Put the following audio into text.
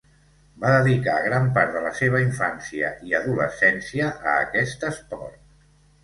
Va dedicar gran part de la seva infància i adolescència a aquest esport.